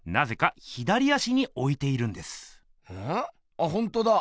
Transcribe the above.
あほんとだ。